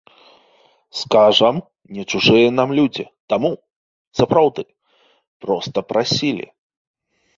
Скажам, не чужыя нам людзі, таму, сапраўды, проста прасілі.